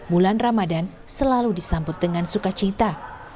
bulan ramadan selalu disambut dengan sukacita